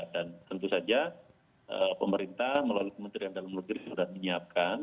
dan tentu saja pemerintah melalui kementerian dalam negeri sudah menyiapkan